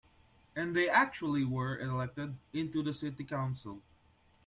And they actually were elected into the city council.